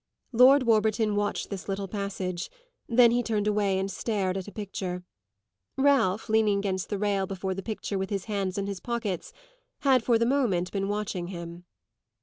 Lord Warburton watched this little passage; then he turned away and stared at a picture. Ralph, leaning against the rail before the picture with his hands in his pockets, had for the moment been watching him.